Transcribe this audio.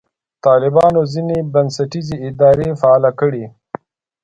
طالبانو ځینې بنسټیزې ادارې فعاله کړې.